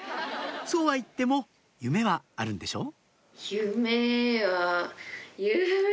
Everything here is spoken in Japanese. そうはいっても夢はあるんでしょう？